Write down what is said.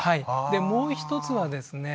でもう１つはですね